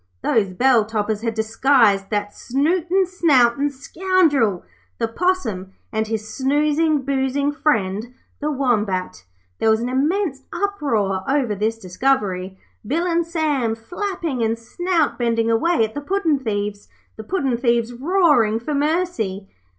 Those bell toppers had disguised that snooting, snouting scoundrel, the Possum, and his snoozing, boozing friend the Wombat! There was an immense uproar over this discovery, Bill and Sam flapping and snout bending away at the puddin' thieves, the puddin' thieves roaring for mercy.